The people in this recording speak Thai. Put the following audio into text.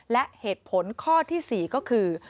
และเหตุผลข้อที่๔ก็คือ